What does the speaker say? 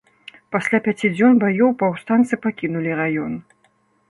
Пасля пяці дзён баёў паўстанцы пакінулі раён.